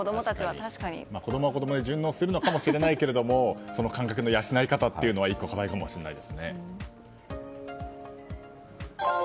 子供は子供で順応するかもしれないけどその感覚の養い方は課題かもしれないですね。